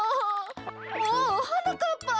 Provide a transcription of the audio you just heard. おおはなかっぱ。